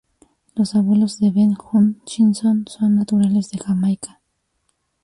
Los abuelos de Ben Hutchinson son naturales de Jamaica.